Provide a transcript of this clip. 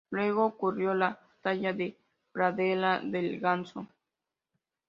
Luego ocurrió la batalla de Pradera del Ganso.